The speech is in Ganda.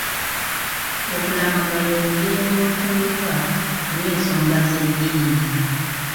Okulamaga lwe lugendo olukolebwa ku lw'ensonga z'eddiini.